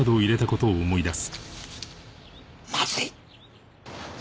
まずい。